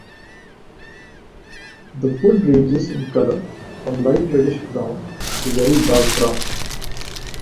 The wood ranges in color from light reddish-brown to a very dark brown.